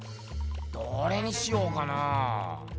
どれにしようかな。